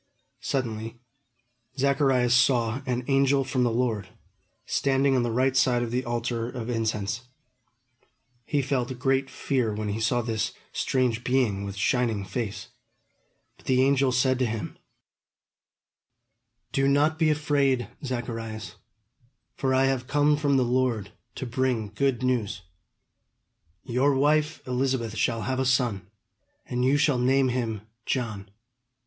Suddenly, Zacharias saw an angel from the Lord, standing on the right side of the altar of incense. He felt a great fear when he saw this strange being with shining face; but the angel said to him: [Illustration: "Do not be afraid, Zacharias"] "Do not be afraid, Zacharias; for I have come from the Lord to bring good news. Your wife Elizabeth shall have a son, and you shall name him John.